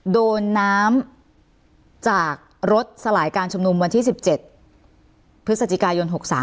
โดนน้ำจากรถสลายการชุมนุมวันที่๑๗พฤศจิกายน๖๓